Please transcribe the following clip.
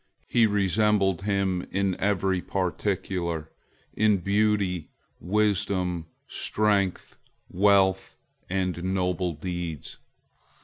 He resembled him in every particular—"in beauty, wisdom, strength, wealth, and noble deeds."